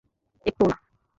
একটু ও না!